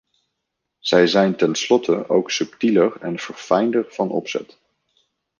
Zij zijn tenslotte ook subtieler en verfijnder van opzet.